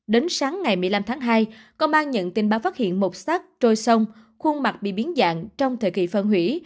đến sáng ngày một mươi năm tháng hai công an nhận tin báo phát hiện một sát trôi sông khuôn mặt bị biến dạng trong thời kỳ phân hủy